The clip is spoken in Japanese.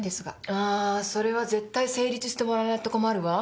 ああそれは絶対成立してもらわないと困るわ。